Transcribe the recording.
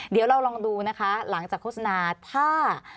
เดี๋ยวเราลองดูนะคะหลังจากโฆษณาถ้า